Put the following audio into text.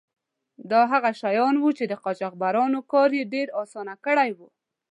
دا هغه شیان وو چې د قاچاقبرانو کار یې ډیر آسانه کړی و.